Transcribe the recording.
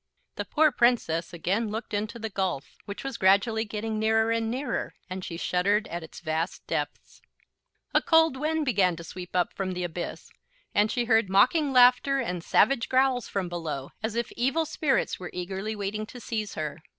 The poor Princess again looked into the gulf, which was gradually getting nearer and nearer; and she shuddered at its vast depths. A cold wind began to sweep up from the abyss, and she heard mocking laughter and savage growls from below, as if evil spirits were eagerly waiting to seize her.